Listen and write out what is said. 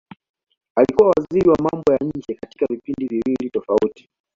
Alikuwa waziri wa mambo ya nje katika vipindi viwili tofauti